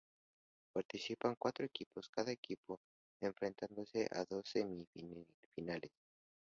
Participan cuatro equipos cada año, enfrentándose en dos semifinales.